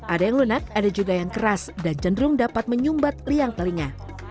ada yang lunak ada juga yang keras dan cenderung dapat menyumbat liang telinga